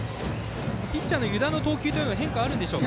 ピッチャーの湯田の投球は変化があるでしょうか？